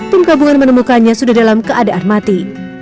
tim gabungan menemukannya sudah dalam keadaan mati